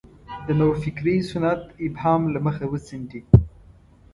د نوفکرۍ سنت ابهام له مخه وڅنډي.